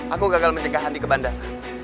aku gagal mencegah andi ke bandar